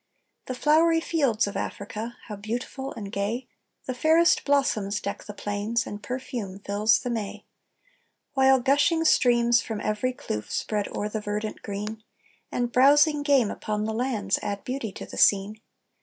The flowery fields of Africa, how beautiful and gay, The fairest blossoms deck the plains, and perfume fills the May, While gushing streams from every kloof spread o'er the verdant green, And browsing game upon the lands add beauty to the scene.